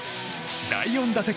第４打席。